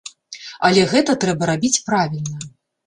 Але гэта трэба рабіць правільна.